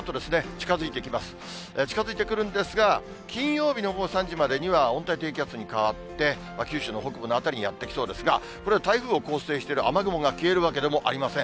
近づいてくるんですが、金曜日の午後３時までには、温帯低気圧に変わって、九州の北部の辺りにやって来そうですが、これ、台風を構成している雨雲が消えるわけでもありません。